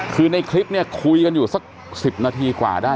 คือในคลิปเนี่ยคุยกันอยู่สัก๑๐นาทีกว่าได้